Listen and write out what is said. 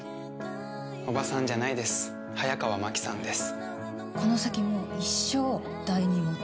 おばさんじゃないです早川麻希さんです。